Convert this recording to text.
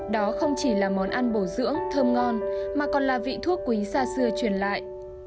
đó không chỉ là món ăn bổ dưỡng thơm ngon mà còn là vị thuốc quý xa xưa truyền lại